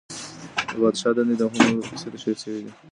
د پادشاه دندې د هومر په کيسه کي تشريح سوې دي.